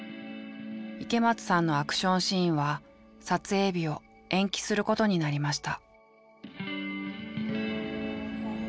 池松さんのアクションシーンは撮影日を延期することになりました。